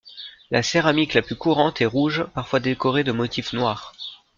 La céramique la plus courante est rouge, parfois décorée de motifs noirs.